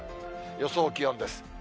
予想気温です。